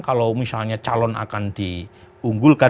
kalau misalnya calon akan di unggulkan